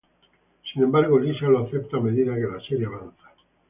Sin embargo, Lisa lo acepta a medida que la serie avanza.